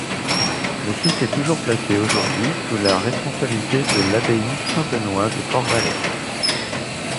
Le site est toujours placé aujourd'hui sous la responsabilité de l'abbaye Saint-Benoît de Port-Valais.